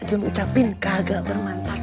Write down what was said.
jangan ucapin kagak bermanfaat